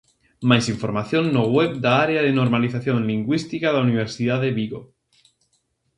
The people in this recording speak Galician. Máis información no web da Área de Normalización Lingüística da Universidade Vigo.